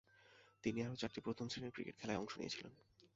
তিনি আরও চারটি প্রথম-শ্রেণীর ক্রিকেট খেলায় অংশ নিয়েছিলেন।